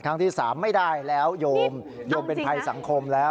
ที่สามไม่ได้แล้วโยมโยมเป็นภัยสังคมแล้ว